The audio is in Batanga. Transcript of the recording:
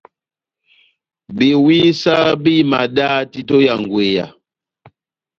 Bewisa béhimadani títo ya ngweya.